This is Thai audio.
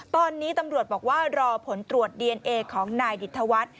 ตอนนี้ตำรวจบอกว่ารอผลตรวจดีเอนเอของนายดิตธวัฒน์